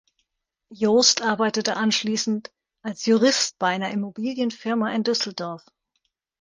Jost arbeitete anschließend als Jurist bei einer Immobilienfirma in Düsseldorf.